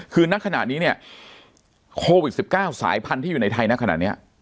คือนักขณะนี้เนี่ยโควิด๑๙สายพันธุ์ที่อยู่ในไทยณขณะนี้